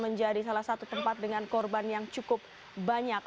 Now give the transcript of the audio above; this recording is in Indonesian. menjadi salah satu tempat dengan korban yang cukup banyak